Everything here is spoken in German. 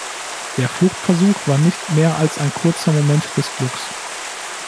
Der Fluchtversuch war nicht mehr als ein kurzer Moment des Glücks.